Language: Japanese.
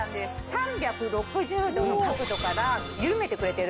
３６０度の角度から緩めてくれてる。